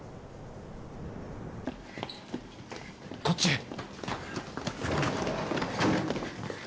こっち。